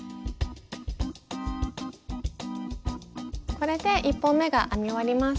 これで１本めが編み終わりました。